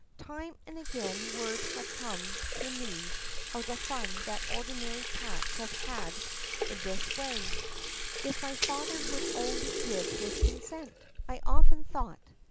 Time and again word had come to me of the fun that ordinary cats have in this way. If my father would only give his consent! I often thought.